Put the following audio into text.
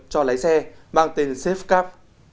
cho lái xe mang tên safecab